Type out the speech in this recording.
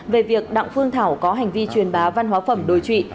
về việc đặng phương thảo có hành vi truyền bá văn hóa phẩm đối trụy